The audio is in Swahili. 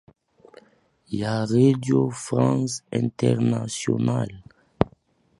ya redio france international